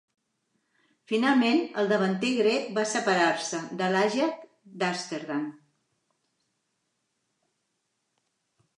Finalment, el davanter grec va separar-se de l'Ajax d'Amsterdam.